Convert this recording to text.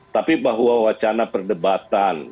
tapi bahwa wacana perdebatan